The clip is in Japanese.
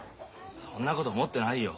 そんなこと思ってないよ。